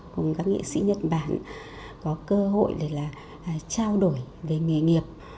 cùng các nghệ sĩ nhật bản có cơ hội để là trao đổi về nghề nghiệp